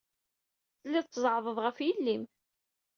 Telliḍ tzeɛɛḍeḍ ɣef yelli-m.